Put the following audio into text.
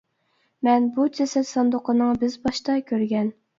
مەن بۇ جەسەت ساندۇقىنىڭ بىز باشتا كۆرگەن.